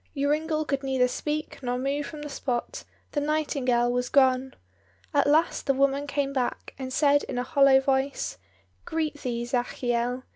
Joringel could neither speak nor move from the spot; the nightingale was gone. At last the woman came back, and said in a hollow voice, "Greet thee, Zachiel.